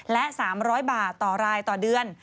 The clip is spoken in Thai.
และ๓๐๐บาทต่อรายต่อเดือน